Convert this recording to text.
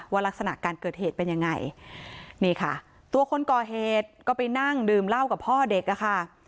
ลักษณะการเกิดเหตุเป็นยังไงนี่ค่ะตัวคนก่อเหตุก็ไปนั่งดื่มเหล้ากับพ่อเด็กอะค่ะ